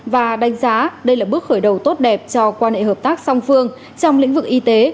và đánh giá đây là bước khởi đầu tốt đẹp cho quan hệ hợp tác song phương trong lĩnh vực y tế